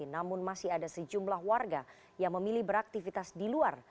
namun masih ada sejumlah warga yang memilih beraktivitas di luar